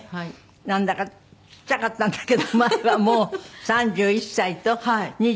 なんだかちっちゃかったんだけどもう３１歳と２８歳。